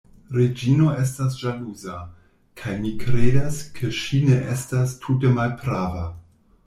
Reĝino estas ĵaluza: kaj mi kredas, ke ŝi ne estas tute malprava.